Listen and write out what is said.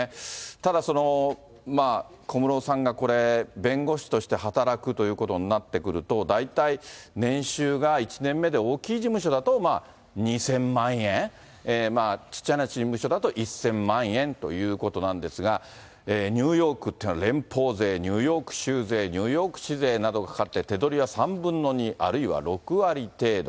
ただその小室さんが、これ、弁護士として働くということになってくると、大体年収が、１年目で大きい事務所だと２０００万円、ちっちゃな事務所だと１０００万円ということなんですが、ニューヨークっていうのは、連邦税、ニューヨーク州税、ニューヨーク市税などがかかって、手取りは３分の２、あるいは６割程度。